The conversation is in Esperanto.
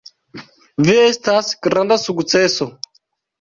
Vi estas granda sukceso.